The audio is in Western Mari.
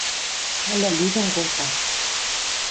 Каля лӱдӹн колта.